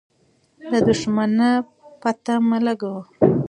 د دښمن پته مه لګوه.